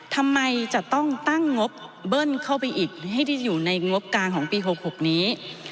ทำไมจะต้องตั้งงบเบิ้ลเข้าไปอีกให้ที่อยู่ในงบกลางของปี๖๖นี้